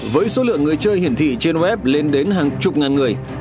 với số lượng người chơi hiển thị trên web lên đến hàng chục ngàn người